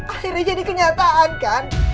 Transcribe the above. akhirnya jadi kenyataan kan